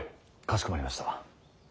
かしこまりました。